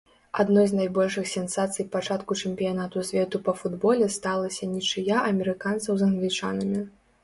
Адной з найбольшых сенсацый пачатку чэмпіянату свету па футболе сталася нічыя амерыканцаў з англічанамі.